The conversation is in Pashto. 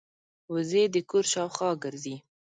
وزې د کور شاوخوا ګرځي